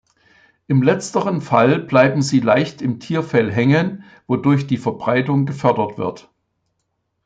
In letzterem Fall bleiben sie leicht im Tierfell hängen, wodurch die Verbreitung gefördert wird.